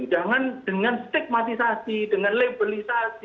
jangan dengan stigmatisasi dengan labelisasi